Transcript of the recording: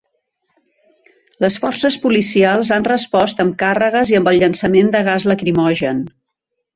Les forces policials han respost amb càrregues i amb el llançament de gas lacrimogen.